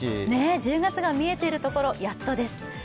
１０月が見えているところ、やっとです。